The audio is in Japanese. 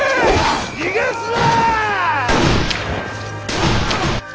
逃がすな！